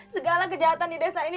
segala kejahatan di desa ini